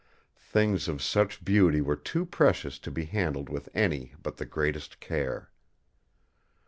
Things of such beauty were too precious to be handled with any but the greatest care.